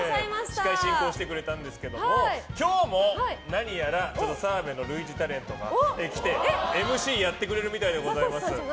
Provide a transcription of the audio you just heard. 司会進行してくれたんですが今日も何やら澤部の類似タレントが来てＭＣやってくれるみたいです。